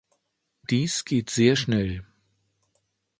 Dies geht sehr schnell.